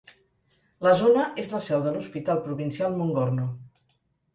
La zona és la seu de l"hospital provincial Mongorno.